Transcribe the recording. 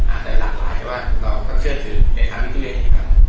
อาจจะหลากหลายแต่ว่าเราก็เชื่อถึงในความวิทยุเวณดีกว่า